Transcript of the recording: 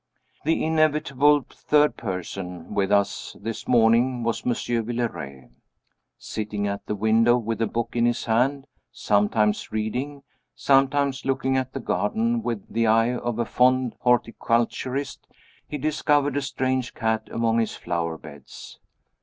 The inevitable third person with us, this morning, was Monsieur Villeray. Sitting at the window with a book in his hand sometimes reading, sometimes looking at the garden with the eye of a fond horticulturist he discovered a strange cat among his flower beds.